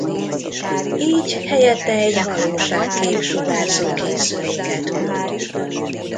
Így helyette egy valóságkép-sugárzó készüléket küld.